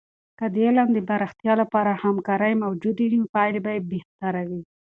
که د علم د پراختیا لپاره همکارۍ موجودې وي، نو پایلې به بهتره وي.